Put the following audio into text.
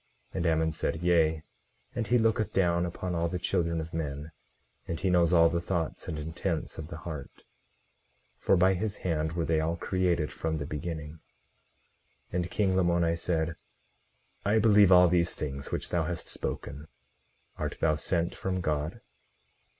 18:32 And Ammon said: Yea, and he looketh down upon all the children of men; and he knows all the thoughts and intents of the heart; for by his hand were they all created from the beginning. 18:33 And king Lamoni said: I believe all these things which thou hast spoken. Art thou sent from God?